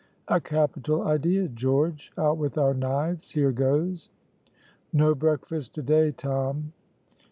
"A capital idea, George; out with our knives here goes." "No breakfast to day, Tom."